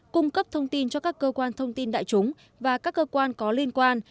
cung cấp thông tin cho các cơ quan thông tin đại chúng và các cơ quan có liên quan